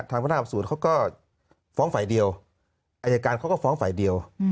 ทางพนาศาสตร์สวนเขาก็ฟ้องไฟเดียวอัยการเขาก็ฟ้องไฟเดียว